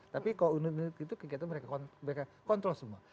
tapi kalau unit unit itu kegiatan mereka kontrol semua